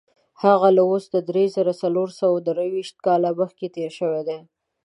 هغه له اوس نه دری زره څلور سوه درویشت کاله مخکې تېر شوی دی.